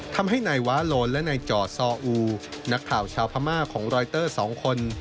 ทำให้นายวาโลนและนายจ่อซออูนักข่าวชาวพม่าของรอยเตอร์๒คน